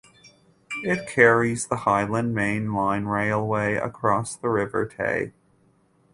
It carries the Highland Main Line railway across the River Tay.